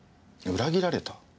裏切られた？